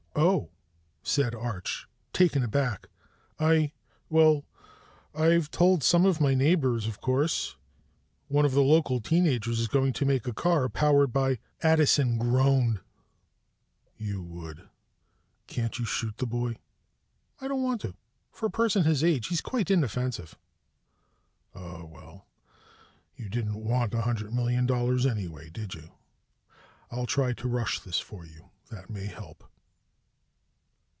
"Oh," said Arch, taken aback. "I well, I've told some of my neighbors, of course. One of the local teen agers is going to make a car powered by " Addison groaned. "You would! Can't you shoot the boy?" "I don't want to. For a person his age, he's quite inoffensive." "Oh, well, you didn't want a hundred million dollars anyway, did you? I'll try to rush this for you, that may help."